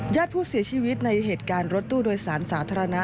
ญาติผู้เสียชีวิตในเหตุการณ์รถตู้โดยสารสาธารณะ